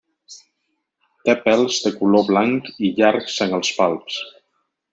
Té pèls de color blanc i llargs en els palps.